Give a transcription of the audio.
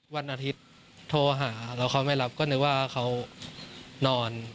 วันอาทิตย์โทรหาแล้วเขาไม่รับก็นึกว่าเขานอน